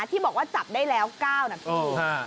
ที่บอกว่าจับได้แล้ว๙นาที